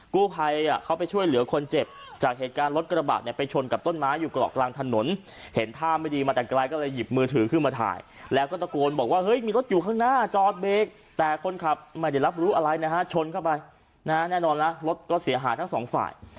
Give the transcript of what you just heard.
กู้ภัยเขาไปช่วยเหลือคนเจ็บจากเหตุการณ์รถกระบะเนี่ยไปชนกับต้นไม้อยู่เกาะกลางถนนเห็นท่าไม่ดีมาแต่ไกลก็เลยหยิบมือถือขึ้นมาถ่ายแล้วก็ตะโกนบอกว่าเฮ้ยมีรถอยู่ข้างหน้าจอดเบรกแต่คนขับไม่ได้รับรู้อะไรนะฮะชนเข้าไปนะฮะแน่นอนนะรถก็เสียหายทั้งสองฝ่าย